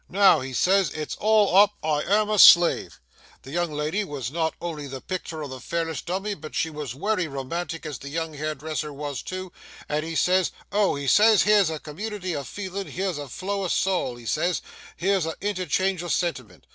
"Now," he says, "it's all up. I am a slave!" The young lady wos not only the picter o' the fairest dummy, but she was wery romantic, as the young hairdresser was, too, and he says, "O!" he says, "here's a community o' feelin', here's a flow o' soul!" he says, "here's a interchange o' sentiment!"